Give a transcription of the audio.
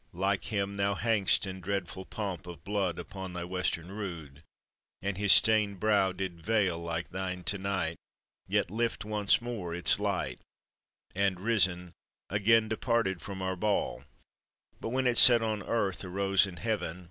Like Him thou hang'st in dreadful pomp of blood Upon thy Western rood; And His stained brow did veil like thine to night, Yet lift once more Its light, And, risen, again departed from our ball, But when It set on earth arose in Heaven.